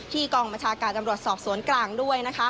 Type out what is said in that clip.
ที่กองมชาการสอบสวนกลางด้วย